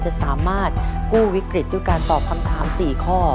จะสามารถกู้วิกฤตด้วยการตอบคำถาม๔ข้อ